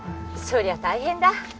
そりゃ大変だ。